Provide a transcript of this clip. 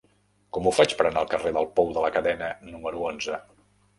Com ho faig per anar al carrer del Pou de la Cadena número onze?